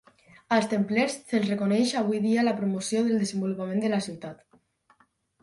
Als Templers se'ls reconeix avui dia la promoció del desenvolupament de la ciutat.